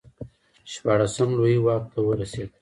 شپاړسم لویي واک ته ورسېد.